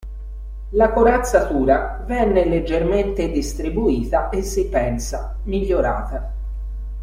La corazzatura venne leggermente distribuita e si pensa, migliorata.